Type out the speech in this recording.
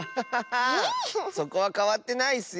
そこはかわってないッスよ！